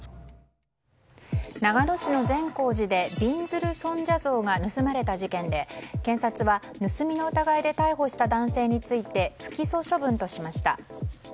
長野市の善光寺でびんずる尊者像が盗まれた事件で検察は、盗みの疑いで逮捕した男性について不起訴処分としました。